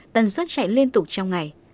tần suất chạy liên tục trong ngày